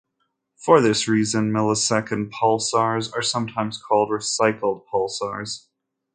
For this reason, millisecond pulsars are sometimes called recycled pulsars.